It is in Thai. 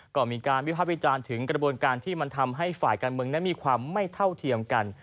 ก็มีการวิภาควิจารณ์ถึงกระบวนการที่มันทำให้ฝ่ายการเมืองนั้นมีความไม่เท่าเทียมกัน